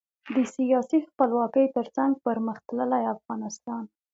د سیاسي خپلواکۍ ترڅنګ پرمختللي افغانستان.